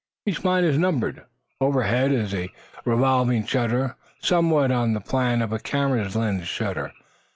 Each mine is numbered. Overhead is a revolving shutter, somewhat on the plan of a camera's lens shutter.